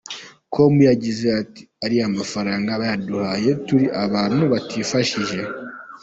com yagize ati :’’Ariya mafaranga bayaduhaye turi abantu batifashije.